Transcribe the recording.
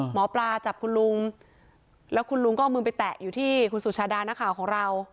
หมอปลาจับคุณลุงแล้วคุณลุงก็เอามือไปแตะอยู่ที่คุณสุชาดานักข่าวของเรา